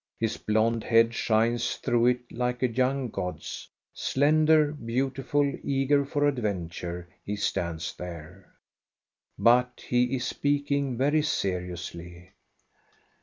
His blond head shines through it like a young god's. Slender, beautiful, eager for adven ture, he stands there. But he is speaking very seriously.